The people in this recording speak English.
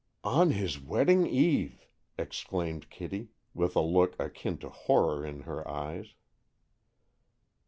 "On his wedding eve!" exclaimed Kitty, with a look akin to horror in her eyes.